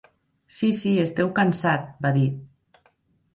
"Sí, sí, esteu cansat", va dir.